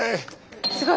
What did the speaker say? すごい。